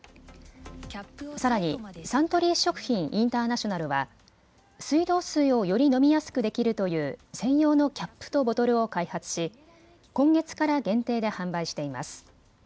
さらにサントリー食品インターナショナルは水道水をより飲みやすくできるという専用のキャップとボトルを開発し、今月から限定で販売しています。